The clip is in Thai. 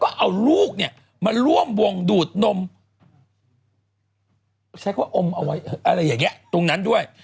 เอาลูกเนี่ยมาร่วมวงดูดนมใช้ความอมเอาไว้อะไรอย่างนี้ตรงนั้นด้วย